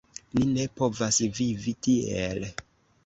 Ni ne povas vivi tiel.